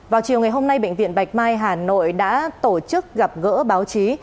vào chiều ngày hôm nay bệnh viện bạch mai hà nội đã tổ chức gặp gỡ báo chí